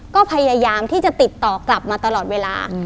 ก็พยายามที่จะติดต่อกลับมาตลอดเวลา